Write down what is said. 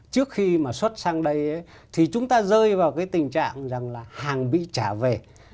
trước khi mà xuất sang đây thì chúng ta rơi vào cái tình trạng rằng là hàng bị trả về